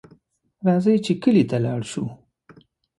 راځئ چې کلي ته لاړ شو